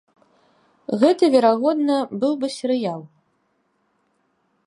Гэта верагодна быў бы серыял.